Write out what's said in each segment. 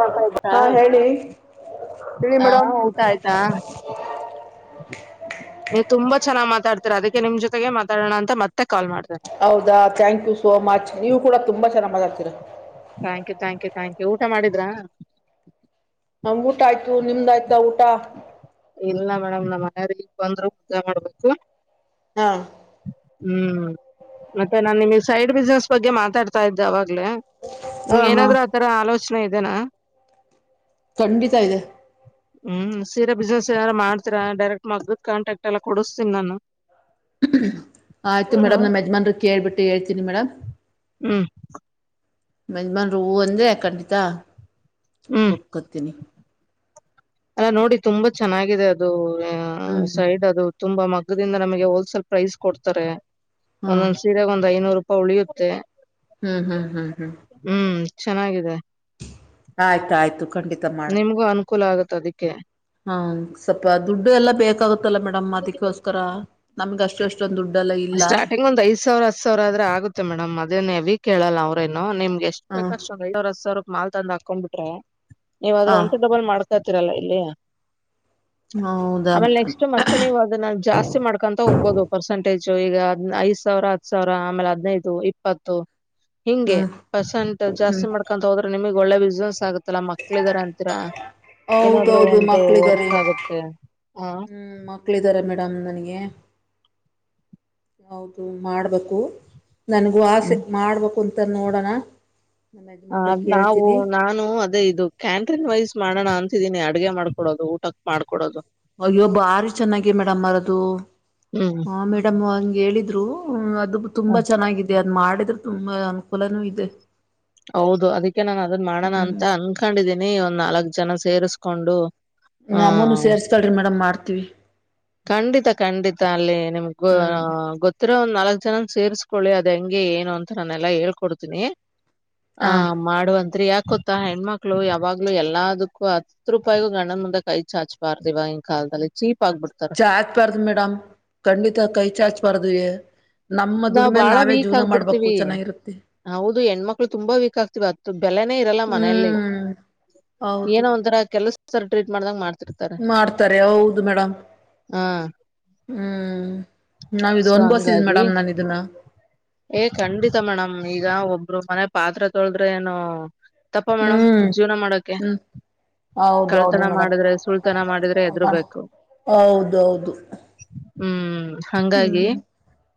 ಮಾಡ್ತಾ ಇದ್ರಾ ಹಾ ಹೇಳಿ ಹೇಳಿ ಹಾ ಮೇಡಮ್ ಊಟ ಆಯ್ತಾ ನೀವು ತುಂಬ ಚೆನ್ನಾಗ ಮಾತಾಡ್ತೀರ ಅದಕ್ಕೆ ನಿಮ್ ಜೊತೆಗೆ ಮಾತಾಡೋಣ ಅಂತ ಮತ್ತೆ ಕಾಲ್ ಮಾಡ್ದೆ ಹೌದಾ ಥ್ಯಾಂಕ್ ಯು ಸೋ ಮಚ್ ನೀವು ಕೂಡ ತುಂಬಾ ಚೆನ್ನಾಗಾ್ತೀರಾ thank you thank you thank you ಊಟ ಮಾಡಿದ್ರ ಹ ಊಟ ಆಯ್ತು ನಿಮ್ದ ಆಯ್ತ ಊಟ ಇಲ್ಲ ಮೇಡಮ್ ನಮ್ಮ್ ಮನ ಬಂದ್ರು ಉದ್ದ ಮಾಡ್ಬೇಕು ಹಾ ಹ್ಮ್ ಮತ್ತೆ ನಾನ್ ನಿಮಗ್ ಸೈಡ್ ಬಿಸ್ನೆಸ್ ಬಗ್ಗೆ ಮಾತಾಡ್ತಾ ಇದ್ದೆ ಅವಾಗ್ಲೇ ನಿಮ್ ಹಾ ಹಾ ಏನಾದ್ರು ಆತರ ಆಲೋಚನೆ ಇದೆನಾ ಖಂಡಿತ ಇದೆ ಹ್ಮ್ ಸೀರೆ ಬಿಸ್ನೆಸ್ ಏಾರ ಮಾಡ್ತೀರಾ ಡೈರೆಕ್ಟ್ ಮಗ್ಗದ ಕಾಂಟಾಕ್ಟ್ ಎಲ್ಲಾ ಕೊಡಿಸ್ತೀನಿ ನಾನು ಆಯ್ತು ಹ ಮೇಡಮ್ ನಮ್ಮ ಯಜಮಾನ್ರಿಕ್ಕೆ ಹೇಳ್ಬಿಟ್ಟು ಹೇಳ್ತೀನಿ ಮೇಡಮ್ ಹ್ಮ್ ಮಜಮಾನ್ ಹೂವು ಅಂದರೆ ಖಂಡಿತ ಹ್ಮ್ ಒದಕೊತೀನಿ ಅಲ್ಲ ನೋಡಿ ತುಂಬಾ ಚೆನ್ನಾಗಿದೆ ಅದು ಹ್ಮ್ ಸೈಡ್ ಅದು ತುಂಬಾ ಮಗ್ಗದಿಂದ ನಮಗೆ ಹೋಲ್ಸೇಲ್ ಪ್ರೈಸ್ ಕೊಡ್ತಾರೆ ಹಾ ಒಂದೊಂದ್ ಸೀರೆಾಗ ಒಂದ್ ಐನೂರು ಹೌಳಿಿಯುತ್ತೆ ಹ್ಮ್ ಹ್ಮ್ ಹ್ಮ್ ಹ್ಮ್ ಚೆನ್ನಾಗಿದೆ ಆಯ್ತಾಯಯ್ತು ಖಂಡಿತ ಮಾಡ ಕುಲ ಆಗುತ್ತ ಅದಕ್ಕೆ ಹ್ಮ ಸ್ವಲ್ಪ ದುಡ್ಡು ಎಲ್ಲ ಬೇಕಾಗತ್ತಲ್ಲ ಮೇಡಮ್ ಅದಕ್ಕೋಸ್ಕರ ನಮ್ಗ ಅಷ್ಟು ಅಷ್ಟು ಸ್ಟಾರ್ಟಿಂಗ್ ಒಂದ ಐದ ಸಾವಿರ ಹತ್ ಸಾವಿರ ಆದ್ರೆ ಆಗುತ್ತೆ ಮೇಡಮ್ ಅದೇನ್ವಿ ಕೇಳಲ್ಲ ಅವ್ರೇನುೋ ನಿಮ್ ಎಷ್ಟು ಹ ಬೇಕಷ್ಟ ಐವ ಹ ಸಾವರ ರಪಿ ಮಾಲ್ ತಂದ ಹಾಕೊಂಡ್ ಬಿಟ್ರ ಹ ನೀವು್್ರ ಒಂಟ ದಬಲ್ ಮಾಡ್ ತ್ರರಲ್ಲ ಇಲ್ಲಯಾ ಹೌದಾ ಆಮೇಲೆ ನೆಕ್ಸ್ಟ್ ಮತ್ತೆ ನೀವು ಅದನ್ನ ಜಾಸ್ತಿ ಮಾಡ್ಕೊಂತ ಹೋಗ್ಬೋದು ಪರ್ಸೆಂಟೇಜ್ ಈಗದ್ ಐದ್ ಸಾವಿರ ಹತ್ತು ಸಾವಿರ ಆಮೇಲೆ ಹದ್ಿನೈದು ಇಪ್ಪತ್ತು ಹಿಂಗೆ ಹ್ಮ್ ಪರ್ಸೆಂಟ್ ಹ್ಮ್ ಜಾಸ್ತಿ ಮಾಡ್ಕೊ ಹೋದ್ರೆ ನಿಮಗ್ ಒಳ್ಳೆ ಬಿಸ್ನೆಸ್ ಆಗೆ ಮತ್ತಲಾ ಮಕ್ಳಿದಾರ ಅಂತೀರ ಏನಾದ್ರು ಹೌದೌದು ಒಂದು ಮಕ್ಳಿದ್ದಾರೆ ವರ್ಕ್ ಆಗುತ್ತೆ ಹಾ ಹ್ಮ್ ಮಕ್ಳ ಇದರ ಮ ಆಡ ನನಗೆ ಹದು ಮಾಡಬೇಕು ನನಗೂ ಆಸೆ ಮಾಡ್ಬೇಕು ಅಂತ ನೋಡೋಣ ನಮ್ಮ ಹ ಯಜಮಾನ್ರ ಅದ ನಾವು ಕೇಳ್ತೀನಿ ನಾನು ಅದೇ ಇದು ಕ್ಯಾಂಟ್ರಿನ್ ವೈಸ್ ಮಾಡೋಣ ಅಂತ ಿದ್ದೀನಿ ಅಡ್ಗೆ ಮಾಡಕೊಡೋದು ಊಟಕ್ ಮಾಡಕೊಡೋದು ಅಯ್ಯೊಬ್ಬ ಆಾರಿ ಚೆನ್ನಾಗಿ ಮೇಡಮ್ ಮರದು ಹ್ಮ್ ಹ ಮೇಡಮ್ ಹಂಗ ಹೇಳಿದ್ರು ಅದು ಹಾ. ತುಂಬಾ ಚೆನ್ನಾಗಿದೆ ಅ ನ್ ಮಾಡಿದ್ರೆ ತುಂಬಾ ಅನುಕೂಲನೂ ಇದೆ ಹೌದು ಅದಕ್ಕೆ ನಾನು ಅದನ್ ಮಾಡೋಣ ಹ್ಮ್ ಅಂತ ಅನ್ಕೊಂಡಿದೀನಿ ಒಂದ್ ನಾಲ್ಕ್ ಜನ ಸೇರ್ಸ್ಕೊಂಡು ನಮ್ಮೂನು ಸೇರ್ಸ್ಕಳಿ ಮೇಡಮ್ ಮಾಡ್ತೀವಿ ಖಂಡಿತ ಖಂಡಿತ ಅಲ್ಲಿ ನಿಮ್ಗ ಹ್ಮ್ ಗೊತ್ತಿರೋ ಒಂದ್ ನಾಲ್ಕ್ ಜನನ್ ಸೇರ್ಸ್ಕ ಕೊಳ್ಳಿ ಅದ ಹೆಂಗೆ ಏನು ಅಂತ ನಾನೆಲ್ಲಾ ಹೇಳ್ಕೊಡ್ತೀನಿ ಹ ಆ ಮಾಡುವಂತ್ರಿ ಯಾಕ ಗೊತ್ತಾ ಹೆಣ್ಮಕ್ಳು ಯಾವಾಗ್ಲುೂ ಎಲ್ಲದಕ್ಕೂ ಹತ್ ರೂಪಾಯಿಗು ಗಣನ್ ಮುಂದೆ ಕೈ ಚಾಚ್ಬಾರ್ದಿವವ ಹಿ ಚೀಪ್ ಆಗ್ಬಟ್ಟು ಚಾಚ್ ಪಾರ್ದು ಮೇಡಮ್ ಖಂಡಿತ ಕೈ ಚಾಚ್ಬಾರ್ದ ನಮ್ಮ ನಾವ್ ದುಡಿಮೇಲೆ ಬಾಳ ನಾವೇ ವೀಕ್ ಜೀವನ ಆಗ್ಬಿಡ್ತೀವಿ ಮಾಡ್ಬೇಕು ಚೆನ್ನಾಗಿರುತ್ತೆ ಹೌದು ಹೆಣ್ಮಕ್ಳು ತುಂಬಾ ವೀಕ್ ಆಗ್ತಿವಿ ಅತ್ತು ಬೆಲೆನೇ ಇರಲ್ಲ ಮನೆಯಲ್ಲಿ ಹ್ಮ್ ಹೌದು ಏನೋ ಒಂಥರಾ ಕೆಲ್ಸರ ಟ್ರೀಟ್ ಮಾಡ್ದಂಗ ಮಾಡ್ತ ಮಾಡ್ತಾರೆ ಹೌದು ಮೇಡ್ ಹ ಹ್ಮ್ ನಾವ ಇ ಸೊ ಅನ್ ಬೋಸಿದ್ವಿ ಹಂಗಾಗಿ ಮೇಡಮ್ ನಾನ ಇದನ್ನ ಏ ಖಂಡಿತ ಮೇಡಮ್, ಈಗ ಒಬ್ಬರು ಮನೆ ಪಾತ್ರ ತೊಳದ್ರೆ ಏನು ತಪ್ಪ ಮೇಡಮ ಹ್ಮ್ ಜೀವನ ಮಾಡಕೆ ಹ್ಮ್ ಹೌದೌದು ಕಳ್ತನ ಮೇಡಮ್ ಮಾಡಿದ್ರೆ ಸುಳ್ತನ ಮಾಡಿದ್ರೆ ಎದ್ ಬೇಕು ಹೌದೌದು ಹ್ಮ್ ಹಂಗಾಗಿ ಹ್ಮ್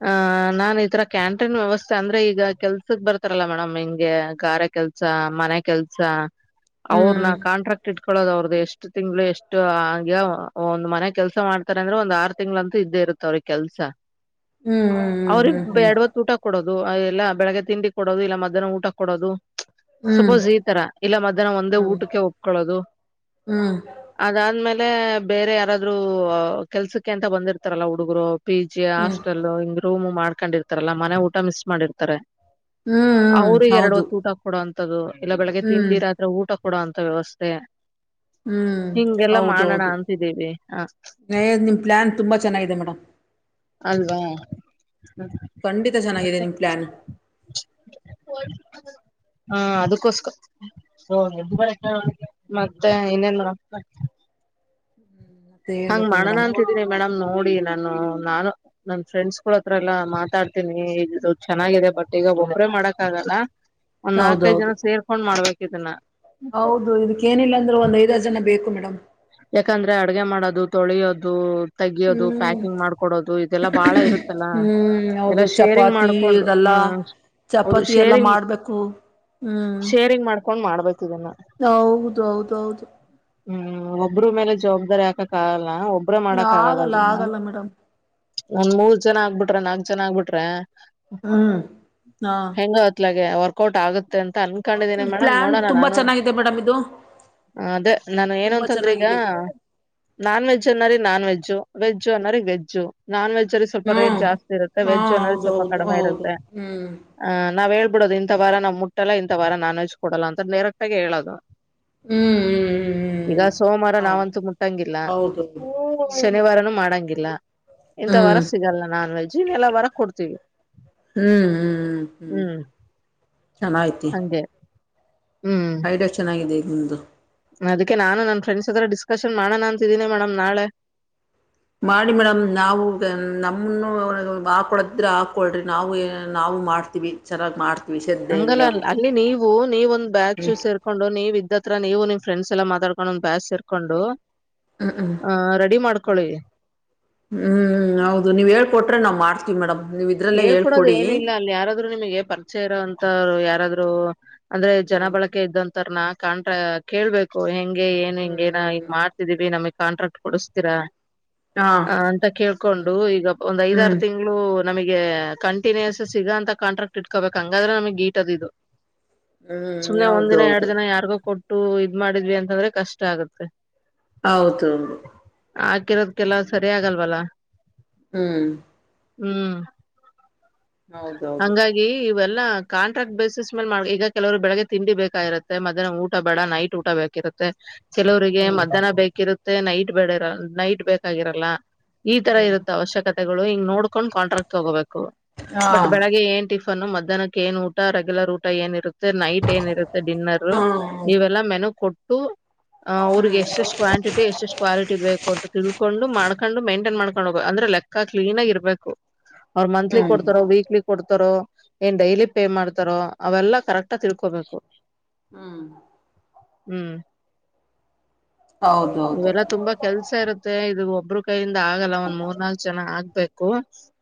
ಆ ನಾನ ಈತರ ಕ್ಯಾಂಟೀನ್ ವ್ಯವಸ್ಥೆ ಅಂದ್ರೆ ಈಗ ಕೆಲ್ಸದ ಬರ್ತಾರಲ್ಲ ಮೇಡಮ್ ಹಿಂಗೆ ಗಾರ ಕೆಲ್ಸ ಮನೆ ಕೆಲ್ಸ ಅವ್ರ ನ ಹ್ಮ್ ಕಾಂಟ್ರಾಕ್ಟೆಡ್ ಇಕಳೋದ ಅವ್ರದ ಎಷ್ಟು ತಿಂಗ್ಗಳು ಎಷ್ಟು ಆಗ ಒಂದ ಮನೆ ಕೆಲಸ ಮಾಡ್ತಾರೆ ಅಂದ್ರೆ ಒಂದ ಆರು ತಿಂಗ್ಳ ಅಂತೂ ಇದ್ದೆ ಇರುತ್ತ ಅವ್ರಿಗ್ ಕೆಲ್ಸ. ಹ್ಮ್ ಹ್ಮ್ ಹ್ಮ್ ಅವ್ರಿಗ್ ಹ್ಮ್ ಹ್ಮ್ ಎಡವತ್ ಊಟ ಕೊಡೋದು, ಎಲ್ಲ ಬೆಳಗ್ಗೆ ತಿಂಡಿ ಕೊಡದು, ಇಲ್ಲ ಮಧ್ಯಾಹನ ಊಟ ಕೊಡೋದು. ಹ್ಮ್ ಹ್ಮ್ ಸಪೋಸ್ ಈಥರ, ಇಲ್ಲ ಮಧ್ಯಾಹ್ನ ಒಂದೇ ಹ್ಮ್ ಊಟಕ್ಕೆ ಒಪ್ಕೊಳ್ಳೋದು. ಹ್ಮ್ ಅದಾದ್ಮೇಲೆ ಬೇರೆ ಯಾರಾದ್ರು ಕೆಲ್ಸಕ್ಕೆ ಅಂತ ಬಂದಿರ್ತಾರಲ್ಲ ಹುಡುಗರು. ಪಿ ಜಿ, ಹ್ಮ್ ಹ್ಮ್ ಹಾಸ್ಟೆಲ್, ಹಿಂಗ್ ರೂಮ್ ಮಾಡ್ಕೊಂಡಿರ್ತಾರಲ್ಲ ಮನೆ ಊಟ ಮಿಸ್ ಮಾಡಿರ್ತಾರೆ. ಹ್ಮ್ ಅವ್ರಿಗೆ ಎರಡು ಹೌದು ಹೊತ್ತು ಊಟ ಕೊಡುವಂತದ್ದು, ಇಲ್ಲ ಬೆಳಿಗ್ಗೆ ಹ್ಮ್ ತಿಂಡಿ ರಾತ್ರಿ ಊಟ ಕೊಡೋ ಅಂತ ವ್ಯವಸ್ಥೆ, ಹ್ಮ್ ಹಿಂಗೆಲ್ಲ ಮಾಡೋಣ ಅಂತಿದ್ದೀವಿ, ಹ ಹೇ ನಿಮ್ಮ ಪ್ಲ್ಯಾನ್ ತುಂಬ ಚೆನ್ನಾಗಿದೆ ಮೇಡಮ್. ಅಲ್ವಾ ಖಂಡಿತ ಚೆನ್ನಾಗಿದೆ ಮತ್ತೆ ನಿಮ್ ಪ್ಲಾನ್. ಹಾ ಅದುಕೋಸ್ಕರ ಸೋ [unintelligible] ಹ ಮತ್ತೆ ಇನ್ನೇನ್ ಮತ್ತೆ ಹಾಂಗ್ ಹೇಳ್ಬೇಕು ಮಾಡಣ ಮೇಡಮ್ ಅಂತಿದೀನಿ ಮೇಡಮ್, ನೋಡಿ ನಾನು ನಾನು ನನ್ ಫ್ರೆಂಡ್ಸ್ ಗಳ ಹತ್ರ ಎಲ್ಲಾ ಮಾತಾಡ್ತೀನಿ, ಈದು ಚೆನ್ನಾಗಿದೆ ಬಟ್ ಈಗ ಒಬ್ರೇ ಮಾಡಕ್ ಆಗಲ್ಲ. ಒಂದ್ ನಾಲ್ಕೈದ್ ಹೌದೌದು ಜನ ಸೇರ್ಕೊಂಡ್ ಮಾಡ್ಬೇಕು ಇದನ್ನ. ಹೌದು ಇದಕ್ಕ ಏನಿಲ್ಲ ಅಂದ್ರು ಒಂದ್ ಐದಾರು ಜನ ಬೇಕು ಮೇಡಮ್. ಯಾಕಂದ್ರೆ ಅಡ್ಗೆ ಮಾಡದು, ತೊಳಿಯೋದು. ತೆಗಿಯೋದು, ಹ್ಮ್ ಪ್ಯಾಕಿಂಗ್ ಮಾಡ್ಕೊಡೋದು, ಇದೆಲ್ಲಾ ಬಾಳ ಇರುತ್ತಲ್ಲ ಹ್ಮ್ ಎಲ್ಲ ಹೌದು ಶೇರಿಂಗ್ ಚಪಾತಿ ಮಾಡ್ಕೊಂಡು ಇದೆಲ್ಲ ಹಾ ಚಪಾತಿ ಎಲ್ಲ ಮಾಡ್ಬೇಕು, ಹ್ಮ್ ಕೊಂಡ್ ಮಾಡಬೇಕಿದುನ್ನ. ಹೌದು ಹೌದೌದು. ಹ್ಮ್ ಒಬ್ರು ಮೇಲೆ ಜವಾಬ್ದಾರಿ ಹಾಕಕ್ಕ ಆಗಲ್ಲ. ಒಬ್ರ ಮಾಡಕ್ ಆಗಲ್ಲ ಇದು, ಆಗಲ್ಲ ಮೇಡಮ್ ಒಂದ್ ಮೂರ್ ಜನ ಆಗ್ಬಿಟ್ ಬಿಟ್ರ ನಾಕ್ ಜನ ಆಗ್ಬಿಟ್ರೆ ಹ್ಮ್ ಹಾ ಹೆಂಗ ಅತ್ಲಾಗೆ ವರ್ಕೌಟ್ ಆಗುತ್ತೆ ಅ ಅನ್ಕೊಂಡಿದ್ದೀನಿ ಮೇಡಮ್, ಪ್ಲಾನ್ ನೋಡೋಣ ತುಂಬಾ ನಾನು ಚೆನ್ನಾಗಿದೆ ಮೇಡಮ್ ಇದು ಅದೇ ನಾನ್ ಏನ ತುಂಬಾ ಅಂತಂದ್ರೆ ಚೆನ್ನಾಗಿದೆ ನಾನ್ವೆೆಜ್ಜ್ ಅನ್ನರಿಗೆ ನಾನ್ವೆೆಜ್ಜು, ವೆಜ್ಜು ಅನ್ನರಿಗೆ ವೆಜ್ಜು, ನಾನ್ವೆೆಜ್ಜ್ ಸ್ವಲ್ಪ ರೇಟ್ ಹ್ಮ್ ಜಾಸ್ತಿ ಇರುತ್ತೆ, ಹಾ ವೆಜ್ ಅನ್ನೋ ಹೌದು ಸ್ವಲ್ ಹೌದು ಕಡಿಮೆ ಹೌದು ಇರುತ್ತೆ, ಹ್ಮ್ ನಾವ್ ಬಿಡೋದು ಇಂತ ವಾರ ನಾವ್ ಮುಟ್ಟಲ್ಲ, ಇಂತ ವಾರ ನಾನ್ ವೆಜ್ ಕೊಡಲ್ಲ ಅಂತ ಡೈರೆಕ್ ಆಗಿ ಹೇಳೋದು. ಹ್ಮ್ ಈಗ ಹ್ಮ್ ಹ್ಮ್ ಸೋಮವಾರ ಹೌದು ನಾವಂತೂ ಮುಟ್ಟಂಗಿಲ್ಲ, ಹೌದು ಹೌದು ಶನಿವಾರನು ಮಾಡಂಗಿಲ್ಲ. ಇಂತ ವಾರ ಹ್ಮ್ ಸಿಗಲ್ಲ ನಾನ್ ವೆಜ್, ಇನ್ನೆಲ್ಲ ವಾರ ಕೊಡ್ತೀವಿ. ಹ್ಮ್ ಹ್ಮ್ ಹ್ಮ್ ಹ್ಮ್ ಚೆನ್ನಾಗೈತಿ. ಹಂಗೆ ಹ್ಮ್ ಐಡಿಯಾ ಚೆನ್ನಾಗಿದೆ ನಿಮ್ದು. ಅದಕ್ಕೆ ನಾನು ನನ್ ಫ್ರೆಂಡ್ಸ್ ಹತ್ರ ಡಿಸ್ಕಶನ್ ಮಾಡೋಣ ಅಂತಿದ್ದೀನಿ ಮೇಡಮ್ ನಾಳೆ. ಮಾಡಿ ಮೇಡಮ್ ನಾವು ನಮ್ಮನ್ನು ಹಾಕೊಳೊದಾದ್ರೆ ಹಾಕೊಳ್ರಿ ನಾವು ನಾವು ಮಾಡ್ತೀವಿ ಚೆನ್ನಾಗಿ ಮಾಡ್ ಹಂಗಲ್ಲ ಅಲ್ಲಿ ನೀವು ನೀವ ಒಂದ್ ಬ್ಯಾಚ್ ಸೇರ್ಕೊಂಡು ನೀವ್ ಇದ್ದ ಹತ್ರ ನೀವುಮ ಫ್ರೆಂಡ್ಸ್ ಎಲ್ಲ ಮಾತಾಡ್ಕೊಂಡು, ಒಂದು ಬ್ಯಾಚ್ ಸೇರ್ಕೊಂಡು ಹ್ಮ್ ಹ್ಮ್ ಆ ರೆಡಿ ಹ್ಮ್ ಮಾಡ್ಕೊಳ್ಳಿ. ಹ್ಮ್ ಹ್ಮ್ ಹೌದು ನೀವ್ ಹೇಳ್ಕೊಟ್ರೆ ನಾವ್ ಮಾಡ್ತ ಮೇಡಮ್ ನೀವ್ ಇದ್ರಲ್ಲೇ ಹೇಳ್ಕೊಡೋದು ಹೇಳ್ಕೊಡಿ ಏನಿಲ್ಲ, ಅಲ್ಲಿ ಯಾರಾದ್ರು ನಿಮ್ಗೆ ಪರಿಚಯ ಇರೊಂತೋವ್ರು ಯಾರಾದ್ರು ಅಂದ್ರೆ ಜನ ಹ್ಮ್ ಬಳಕೆ ಇದ್ದಂತೋರ್ನ ಕಾಣ ಕೇಳ್ಬೇಕು ಹೆಂಗ ಹಂ ಏನ್ ಹಿಂಗೇನೋ ಹಿಂಗ್ ಹ್ಮ್ ಮಾಡ್ತಿದೀವಿ ನಮ್ಗ್ ಕಾಂಟ್ರಾಕ್ಟ್ ಕೊಡಿಸ್ತೀರಾ? ಹ್ಮ್ ಹಾ ಹ ಅಂತ ಹ್ಮ್ ಕೇಳ್ಕೊಂಡು ಈಗ ಒಂದ್ ಐದಾರು ಹ್ಮ್ ತಿಂಗಳು ನಮಗೆ ಕಂಟಿನ್ಯೂಸ್ ಸಿಗೋ ಅಂತ ಕಾಂಟ್ರಾಕ್ಟ್ ಇಟ್ಕೊಬೇಕು, ಹಂಗಾದ್ರೆ ನಮಗೆ ಗೀಟದು ಇದು. ಹ್ಮ್ ಸುಮ್ನೆ ಒಂದ್ ದಿನ ಎರಡ್ ಹೌದೌದು ದಿನ ಯಾರಿಗೋ ಕೊಟ್ಟು ಇದ್ ಮಾಡಿದ್ವಿ ಅಂತಂದ್ರೆ ಕಷ್ಟ ಆಗತ್ತೆ ಹೌದುದು ಹಾಕಿರೋದ್ಕ್ಕೆಲ್ಲ ಸರಿ ಆಗಲ್ವಲ್ಲ ಹ್ಮ್ ಹ್ಮ್ ಹೌದೌದು ಹಂಗಾಗಿ ಇವೆಲ್ಲ ಲ್ಲ ಕಾಂಟ್ರಾಕ್ಟ್ ಬೇಸ್ ಮೇಲ್ ಮಾಡ ಈಗ ಕೆಲವರು ಬೆಳಗ್ ತಿಂಡಿ ಬೇಕಾಗಿರುತ್ತೆ ಮದಹ್ ಊಟೇಡ ನೈಟ್ ಊಟ ಬೇಕಿರುತ್ತೆ ಕೆಲವರಿಗೆ ಹ್ಮ್ ಮಧ್ಯಾಹ್ನ ಬೇಕಿರುತ್ತೆ ನೈಟ್ ಬೇಡ ಇರ ನೈಟ್ ಬೇಕಾಗಿರಲ್ಲ ಈ ತರ ಹ್ಮ್ ಇರುತ್ತ ಅವಶ್ಯಕತೆಗಳು ಹಿಂಗ ನೋಡ್ಕೊಂಡ್ ಕಾಂಟ್ರಾಕ್ಟ್ ಹೋಗೋಬೇಕು ಹಾ ಬಟ್ ಬೆಳಿಗ್ಗೆ ಏನ್ ಟ ಮಧ್ಯಾಹ್ಕ್ಕೆ ಏ ಊಟ ರೆಗ್ಯುಲರ್ ಊಟ ಏನ್ರುತ್ತೆ ನೈಟ್ ಏನಿರುತ್ತೆ ಡಿನ್ನರ್ ಹ್ಮ್ ಇವೆಲ್ಲಾ ಮೆನು ಕೊಟ್ಟು ಆ ಅವ್ರಿಗೆ ಹ್ಮ್ ಎಷ್ಟ ಎಷ್ಟು ಕ್ವಾಂಟಿ ಎಷ್ಟು ಕ್ವಾಲಿಟಿ ಬೇಕು ಅಂತ ತಿಳ್ಕೊಂಡು ಮಾಡ್ಕೊಂಡು ಮೈಂಟನ್ ಮಾಡ್ಕೊಂಡು ಕೊಂಡ್ ಹೋಗ ಅಂದ್ರೆ ಲೆಕ್ಕ ಕ್ಲೀನ್ ಆಗ ಇರ್ಬೇಕು ಅವ್ರು ಮಂತ್ಲಿ ಹ್ಮ್ ಕೊಡ್ತಾರೋ ವೀಕ್ಲಿ ಕೊಡ್ತಾರೋ ಏನ್ ಡೈಲಿ ಪೇ ಮಾಡ್ತಾರೋ ಅವೆಲ್ಲಾ ಕರೆಕ್ಟ ತಿಳ್ಕೊಬೇಕು ಹ್ಮ್ ಹ್ಮ್ ಹೌದೌದು ಇವೆಲ್ಲಾ ತುಂಬಾ ಕೆಲ್ಸ ಇರುತ್ತೆ ಇದು ಒ ಒಬ್ರು ಕೈಯಿಂದ ಆಗಲ್ಲ ಒಂದ್ ಮೂರ್ ನಾಲ್ಕ್ ಜನ ಆಗ್ಬೇಕು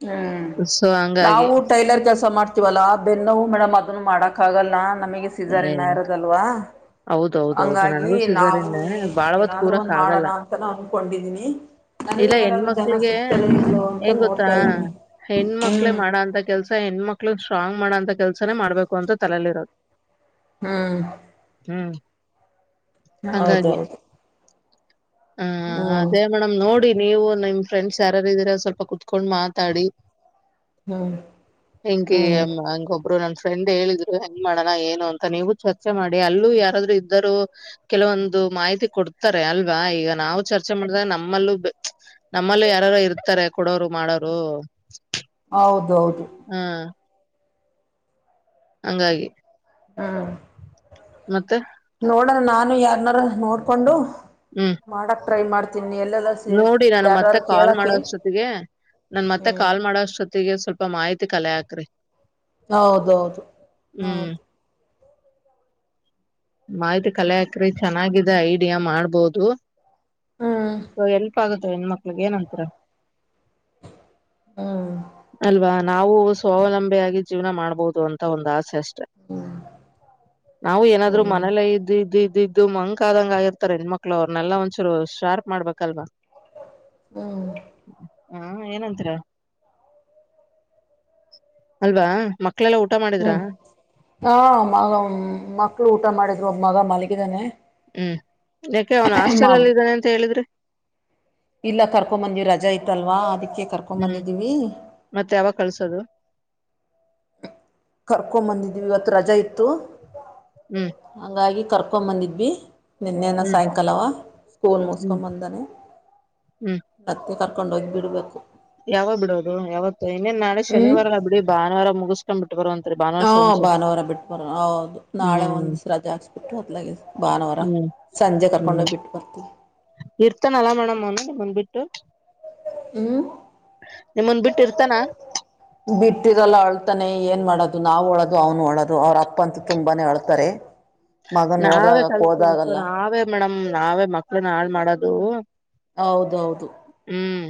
ಹ್ಮ್ ಸೊ ಹಂಗಾಗಿ ನಾವು ಟೈಲರ್ ಮಾಡ್ತೀವಲ್ಲಾ ಬೆನ್ನವು ಮೇಡಮ್ ಅದನ್ನು ಮಾಡಕ್ ಆಗಲ್ಲನಾ ನಮಗೆ ಏ ಸೀಜಾರ್ನ ಇರೋದಲ್ವಾ ಹೌದೌದೌದು ಹಂಗಾಗಿ ನನಗೂ ನಾವು ಸಿಜರನ್ ದೆ ಬಾಳವತ್ ಏನಾದ್ರು ಒಂದ್ ಕೂರಕ್ ಮಾಡೋಣ ಆಗಲ್ಲ ಅಂತಾನ ಅನ್ಕೊಂಡಿದೀನಿ ನನಗೂ ಇಲ್ಲ ಯಾರಾದ್ರು ಜನ ಹೆಣ್ಮಕ್ಳಿಗೆ ಸಿಗ್ತಾರ ಇಲ್ಲೋ ಅಂತ ಹೆಂಗ ಗೊತ್ತಾ ನೋಡ್ತಾ ಇದೀನಿ ಹೆಣ್ಮಕ್ಳೇ ಹ್ಮ್ ಮಾಡ ಅಂತ ಕೆಲ್ಸ ಹೆಣ್ಮಕ್ ಮಕ್ಳು ಸ್ಟ್ರಾಂಗ್ ಮಾಡೋಂತ ಕೆಲ್ಸನೇ ಮಾಡ್ಬೇಕು ಅಂತ ತಲೆಲಿ ಇರೋದು ಹ್ಮ್ ಹ್ಮ್ ಹೌದೌದು ಹಾ ಹ್ಮ್ ಅದೇ ಮೇಡಮ್ ನೋಡಿ ನೀವು ನಿಮ್ ಫ್ರೆಂಡ್ಸ್ ಯಾರಾರು ಇದೀರ ಸ್ವಲ್ಪ ಕುತ್ಕೊಂಡ್ ಮಾತಾಡಿ ಹ್ಮ್ ಹೆಂಗ ಹ್ಮ್ ಹಂಗೊಬ್ರು ನನ್ ಫ್ರೆಂಡ್ ಹೇಳಿದ್ರು ಹೆಂಗ ಮಾಡ ಏನು ಅಂತ ನೀವು ಚರ್ಚೆ ಮಾಡಿ ಅಲ್ಲೂ ಯಾರಾದ್ರು ಇದ್ದರುೂ ಕೆಲವೊಂದು ಮಾಹಿತಿ ಕೊಡ್ತಾರೆ ಅ ಅಲ್ವಾ ಈಗ ನಾವು ಚರ್ಚೆ ಮಾಡಿದಾಗ ನಮ್ಮಲ್ಲೂ ನಮ್ಮಲ್ಲೂ ಯಾರಾರು ಇರ್ತಾರೆ ಕೊಡೋರು ಮಾಡೋರು ಹ ಹೌದೌದು ಹಂಗಾಗಿ ಹ್ಮ ಮತ್ತೆ ನೋಡಣ ನಾನು ಯಾರನಾರ ನೋಡ್ಕೊಂಡು ಹ್ಮ್ ಮಾಡಕ್ ಟ್ರೈ ಮಾಡ್ತ ನೋಡಿ ನಾನು ಮತ್ತೆ ಕಾಲ್ ಕೇಳಕ್ಕೆ ಮಾಡೋಷ್ಟೊತ್ತಗೆ ನನ್ ಮತ್ತೆ ಹ್ಮ್ ಕಾಲ್ ಮಾಡೋಷ್ಟೊತಿ ಸ್ವಲ್ಪ ಮಾಹಿತಿ ಕಲೆಕ್ರರಿ ಹೌದೌದು ಹೌದು ಮಾಹಿತಿ ಕಲಾಕರಿ ಚೆನ್ನಾಗಿದೆ ಐಡಿಯಾ ಮಾಡ್ಬೋದು ಹ್ಮ್ ಗುತ್ತೆ ಹೆಣ ಮಕ್ಳಿಗೆ ಏನಂತರ ಹ್ಮ್ ಅಲ್ವಾ ನಾವು ಸ್ವಾವಲಂಬಿಯ ಆಾಗಿ ಜೀವನ ಮಾಡ್ಬಹುದು ಅಂತ ಒಂದು ಆಸೆ ಅಷ್ಟ ನಾವು ಏನಾದ್ರು ಹ್ಮ್ ಮನೇಲ್ಲೇ ಇದ್ದ. ಇದು ಮಂಕ ಆದಂಗ ಆಗಿ ಇರ್ತಾರೆ ಹೆಣ್ಮಕ್ಳು ಅವ್ರನೆಲ್ಲ ಒಂದ್ಸೂರು ಶಾರ್ಪ್ ಮಾಡ್ಬೇಕಲ್ವಾ. ಹ್ಮ್. ಹಾ ಏನಂತ ಅಲ್ವಾ ಮ ಹ್ಮ್ ಹ ಮ ಮಕ್ಳು ಊಟ ಮಾಡಿದ್ರು ಒಬ್ ಮಗ ಮಲಗಿದಾನೆ ಹ್ಮ್ ಯಾಕೆ ಅವನ್ ಹಾಸ್ಟೆಲ್ ಅಲ್ಲಿ ಇದ್ದಾನೆ ಅಂತ ಹೇಳಿದ್ರಿ ಇಲ್ಲ ಕರ್ಕೊಂಬಂದಿವವಿ ರಜಾ ಇತಲ್ವಾ ಅದಕ್ಕೆ ಕರ್ಕೊ್ ಹ್ಮ್ ಬಂದಿದ್ದೀವಿ ಮತ್ತೆ ಯಾವಾಗ ಕಲ್ಸೋದು ಹ ಕರ್ಕೊಂಡ ಬಂದಿದೀವಿ ಇವತ್ತು ರಜಾ ಇತ್ತು ಹ್ಮ್ ಹಂಗಾಗಿ ಕರ್ಕೊಂಡ್ ಬಂದಿದ್ವಿ ನಿನ್ನೆನ್ನ ಹ್ಮ್ ಸಾಯಂಕಾಲವ ಸ್ಕೂಲ್ ಮ ಹ್ಮ್ ಮೂಸ್ಕೊಬಂದನ ಪ್ರತ್ತ ಕರ್ ಕರಕೊಂಡ ಹೋಗಿ ಬಿಡಬೇಕು. ಯಾವಾಗ್ ಬಿಡೋದು ಯಾವತ್ತು ಇನ್ನೇನ್ ನಾಳೆ ಹ್ಮ್ ಶನಿವಾರ ಬಿಡಿ ಭಾನುವಾರ ಮುಗಿಸ. ಹಾ ಭಾನುವಾರ ಬಿಟ್ ಬರೋ ಹೌದು ನಾಳೆ ಹ್ಮ್ ಒಂದ್ ರಜೆ ಹಾಕಿಸಿ ಬಿಟ್ಟು ಭಾನುವಾರ. ಸಂಜೆ ಕರ್ಕೊಂಡ ಹೋಗಿ ಬಿಟ್ಟು ಬರ್ತೀವಿ. ಇರ್ತಾನಲ್ಲ ಮೇಡಮ್ ಅವನು ನಿಮ್ಮನ ಹ್ಮ್ ನಿಮ್ಮಂದ್ ಬಿಟ್ಟು. ಇರ್ತಾನ ಬಿಟ್ಟಿರಲ್ಲ ಅಳ್ತಾನೆ ಏನ್ ಮಾಡೋದು ನಾವ್ ಒಳದ. ಅವನ ಅಳದು ಅವರ ಅಪ್ಪ ಅಂತ ತುಂಬಾನೇ ಅಳ್ತಾರೆ. ಮಗನ್ ನಾವೇ ನೋಡ್ದಾಗ ಕಲಸದು ಹೋದಾಗಲ್ಲ ನಾವೇ ಮೇಡಮ್ ನಾವೇ ಮಕ್ಕಳನ ಹಾಳ ಮಾಡೋದು. ಹೌದೌದು. ಹ್ಮ್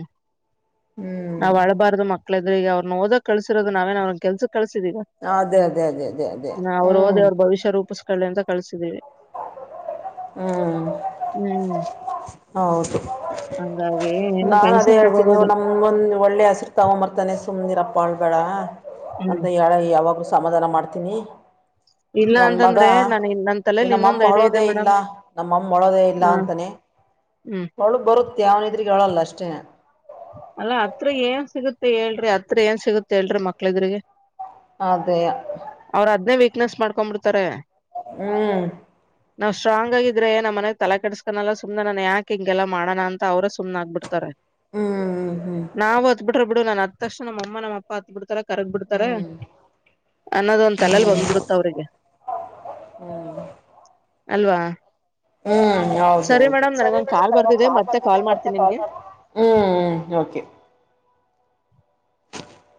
ಹ್ಮ್ ನಾವ್ ಅಳ್ಬಾರ್ದು ಮಕ್ಕಳ ಏದ್ರ ಈ ಅವರನ ಓದಕ್ಕ ಕಳಸಿರೋದು ನಾವೇನ್ ಅವರನ ಕೆಲಸ. ಕಳಸಿದಿನಿ ಅದೇ ಅದೇ ಅದೇ ಅದೇ ಅದೇ ಅವರು ಹ್ಮ್ಮ್ ಓದಿ ಹ್ಮ್ ಅವರ ಭವಿಷ್ಯ ರೂಪಿಸ್ಕೊಳ್ಳಿ ಅಂತ ಕಳಸಿದೀವಿ. [unintelligible] ಹ್ಮ್. ಹ್ಮ್ ಹೌದು ಹಂಗಾಗಿ ಏನು ನಾ ಅದೇ ಟೆನ್ಷನ್ ಹೇಳ್ತೀನಿ ತಗೋಬೇಡಿ ನಮ್ಗೊಂದು. ಒಳ್ಳೆ ಹೆಸರು ತಗೊಂಬರ್ತಾನೆ ಸುಮನೆ ಇರಪ್ಪ ಅಳಬೇಡ. ಅಂತ ಹ್ಮ್ ಹೇಳ ಯಾವಾಗ್ಲೂ ಸಮಾಧಾನ ಮಾಡ್ತೀನಿ ಇಲ್ಲ ನನ್ ಮಗ. ಅಂತಂದ್ರೆ ನಾನ ನನ್ ತಲೆಲಿ ಇನ್ನೊಂದ್ ನಮ್ಮಮ್ಮ ಐಡಿಯಾ ಇದೆ ಅಳೋದೇ ಇಲ್ಲ ಮೇಡಮ್ ನಮ್ಮಮ್ಮ ಅಳೋದೇ ಇಲ್ಲ ಹ ಅಂತಾನೆ. ಹ್ಮ್ ಅಳು ಬರುತ್ತೆ ಅವನ ಎದುರುಗಡೆ ಅಳಲ್ಲ ಅಷ್ಟೇನೆ. ಅಲ್ಲಾ ಅತರೇ ಏನ್ ಸಿಗುತ್ತೆ ಹೇಳ್ರಿ ಅತ್ರ ಏನ್ ಸಿಗುತ್ತೆ ಹೇಳ್ರಿ ಮಕ್ಕಳ ಎದುರಿಗೆ. ಅದೇ ಅವರ ಅದನೆ ವೀಕ್ನೆಸ್ ಮಾಡಕೋಂಡ ಬಿಡ್ತಾರೆ. ಹ್ಮ್. ನಾವ್ ಸ್ಟ್ರಾಂಗ್ ಆಗಿದ್ರೆ ನಮ್ಮ ಮನೆಗ್ ತಲೆ ಕೆಡಸ್ಕನಲ್ಲ ಸುಮ್ನೆ ನನ್ ಯಾಕ ಹಿಂಗೆಲ್ಲ ಮಾಡೋಣ ಅಂತ ಅವರ ಸುಮ್ನ ಆಗಿಬಿಡ್ತಾರೆ. ಹ್ಮ್ ಹ್ಮ್ ಹ್ಮ್ ನಾವು ಅತ್ ಬಿಟ್ಟ್ರ ಬಿಡು ನನ್ ಅತತಕ್ಷಣ ನಮ್ಮಅಮ್ಮ ನಮ್ಮ ಅಪ್ಪ ಅತ ಬಿಡತ. ಕರಗ್ ಬಿಡ್ತಾರ ಅನ್ನೋದ ಒಂದ ತಲೆಲ್ ಬಂದ್ಬಿಡುತ್ತ ಅವ್ರಿಗೆ. ಹ್ಮ್. ಅಲ್ವಾ. ಹ್ಮ್ ಹೌದು ಸರಿ ಹೌದು ಮೇಡಮ್ ಸರಿ ನನಗೊಂದ್ ಕಾಲ್ ಮೇಡಮ್ ಬರ್ತಿದೆ ಮತ್ತೆ ಬಂದ ಮತ್ತೆ ಮಾಡ್ತೀನಿ ನಿಮ್ಗೆ ಕಾಲ್ ಹ್ಮ್ ಹ್. ಓಕೆ.